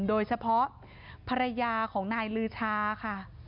โดยเฉพาะภรรยาของนายลือชาค่ะ